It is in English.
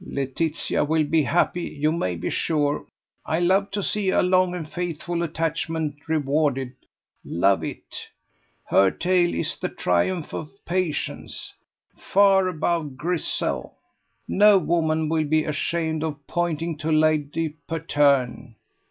"Laetitia will be happy, you may be sure. I love to see a long and faithful attachment rewarded love it! Her tale is the triumph of patience. Far above Grizzel! No woman will be ashamed of pointing to Lady Patterne.